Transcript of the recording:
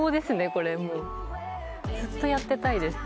これもうずっとやってたいです